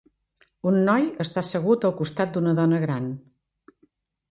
Un noi està assegut al costat d'una dona gran.